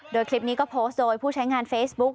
โดยคลิปนี้ก็โพสต์โดยผู้ใช้งานเฟซบุ๊ก